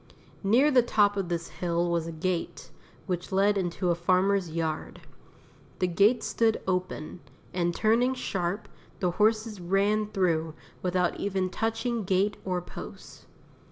Near the top of this hill was a gate, which led into a farmer's yard. The gate stood open, and turning sharp, the horses ran through without even touching gate or post.